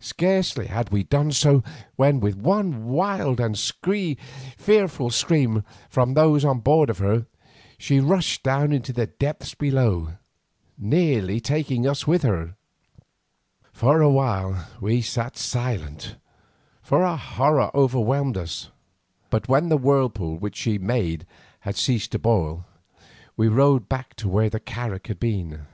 Scarcely had we done so, when, with one wild and fearful scream from those on board of her, she rushed down into the depths below, nearly taking us with her. For a while we sat silent, for our horror overwhelmed us, but when the whirlpool which she made had ceased to boil, we rowed back to where the carak had been.